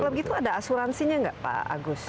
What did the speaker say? kalau begitu ada asuransinya nggak pak agus